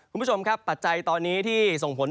คุณผู้ชมครับปัจจัยตอนนี้ที่ส่งผล